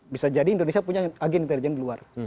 bisa jadi indonesia punya agen intelijen di luar